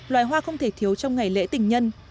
loài hoa không thể thiếu trong ngày lễ tình nhân